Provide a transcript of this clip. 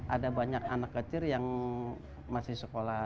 ada banyak anak kecil yang masih sekolah